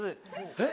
えっ？